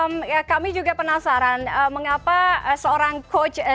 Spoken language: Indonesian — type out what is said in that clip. mengapa tim ini membutuhkan pemain muda